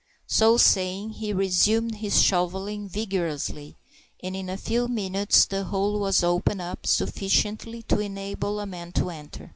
So saying, he resumed his shovelling vigorously, and in a few minutes the hole was opened up sufficiently to enable a man to enter.